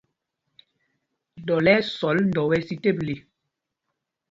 Ndɔl ɛ́ ɛ́ sɔl ndɔ wɛ́ sī teble.